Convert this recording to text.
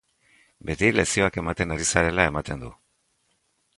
Beti lezioak ematen ari zarela ematen du.